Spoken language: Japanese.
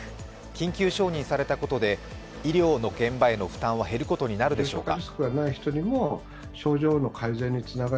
緊急承認されたことで医療の現場への負担は減ることになるでしょうか。